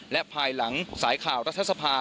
และภายหลังสายข่าวรัฐสภา